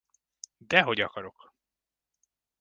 Dehogy akarok!